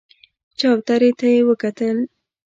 چوترې ته يې وکتل.